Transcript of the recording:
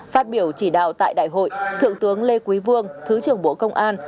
phát biểu chỉ đạo tại đại hội thượng tướng lê quý vương thứ trưởng bộ công an